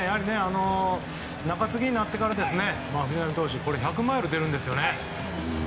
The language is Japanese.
中継ぎになってから藤浪投手、１００マイル出ているんですよね。